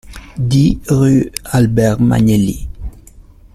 dix rue Albert Magnelli